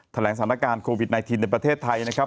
แถลงสถานการณ์โควิด๑๙ในประเทศไทยนะครับ